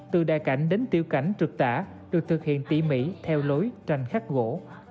từ đại cảnh đến tiểu cảnh trực tả được thực hiện tỉ mỉ theo lối tranh khắc gỗ